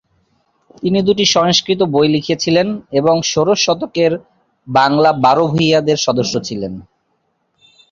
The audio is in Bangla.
তিনি দুটি সংস্কৃত বই লিখেছিলেন এবং ষোড়শ শতকের বাংলার বারো ভূঁইয়াদের সদস্য ছিলেন।